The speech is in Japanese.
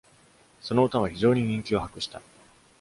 その歌は非常に人気を博した。